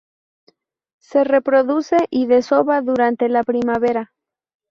Se reproduce y desova durante la primavera.